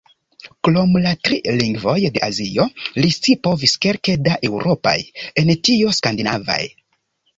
Krom la tri lingvoj de Azio li scipovis kelke da eŭropaj, en tio skandinavaj.